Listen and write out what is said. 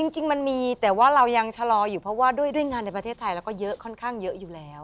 จริงมันมีแต่ว่าเรายังชะลออยู่เพราะว่าด้วยงานในประเทศไทยเราก็เยอะค่อนข้างเยอะอยู่แล้ว